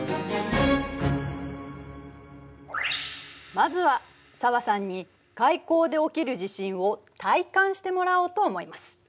まずは紗和さんに海溝で起きる地震を体感してもらおうと思います。